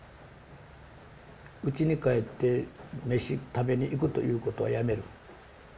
うちに帰って飯食べに行くということはやめる。